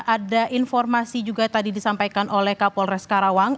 ada informasi juga tadi disampaikan oleh kapolres karawang